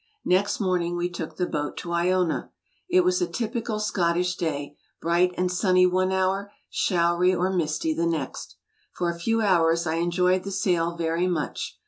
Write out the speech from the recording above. Next morning we took the boat to lona. It was a typical, Scottish day, bright and sunny one hour, showery or misty the next. For a few hours I enjoyed the sail very much.